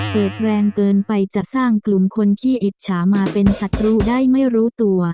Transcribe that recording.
เหตุแรงเกินไปจะสร้างกลุ่มคนขี้อิจฉามาเป็นศัตรูได้ไม่รู้ตัว